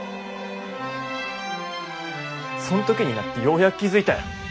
そん時になってようやく気付いたよ。